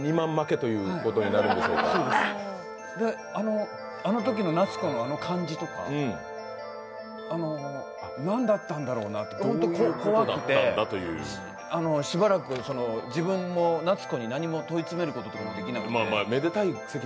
そうですあのときの夏子のあの感じとか何だったんだろうなってちょっと怖くてしばらく自分も夏子に何も問い詰めることができなくて。